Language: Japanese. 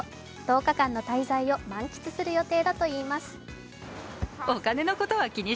１０日間の滞在を満喫する予定だといいます。